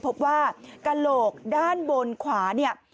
พบว่ากระโหลกด้านบนขวาเนี่ย